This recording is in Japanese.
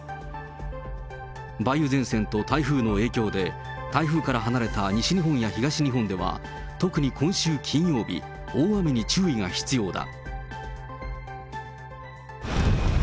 梅雨前線と台風の影響で、台風から離れた西日本や東日本では、特に今週金曜日、大雨に注意が必要だ。